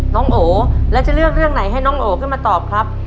น้องโอแล้วจะเลือกเรื่องไหนให้น้องโอขึ้นมาตอบครับ